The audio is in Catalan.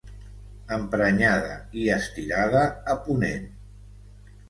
Emprenyada i estirada a Ponent.